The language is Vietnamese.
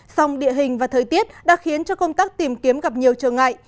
sông địa hình và thời tiết đã khiến cho công tác tìm kiếm gặp nhiều trở ngại